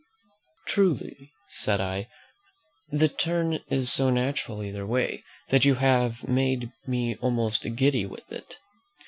'" "Truly," said I, "the turn is so natural either way, that you have made me almost giddy with it."